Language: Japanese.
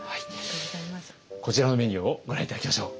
こちらのメニューをご覧頂きましょう。